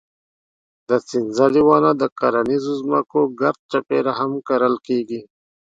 د سنځلې ونه د کرنیزو ځمکو ګرد چاپېره هم کرل کېږي.